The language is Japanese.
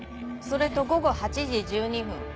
それと午後８時１２分